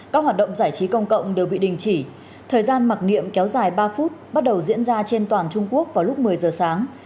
các hoạt động giải trí công cộng đều bị đình chỉ thời gian mặc niệm kéo dài ba phút bắt đầu diễn ra trên toàn trung quốc vào lúc một mươi giờ sáng